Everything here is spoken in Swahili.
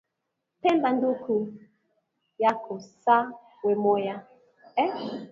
Penda nduku yako sa wemoya